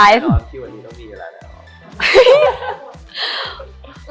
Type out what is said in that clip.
ที่วันนี้ต้องมีเวลาแล้ว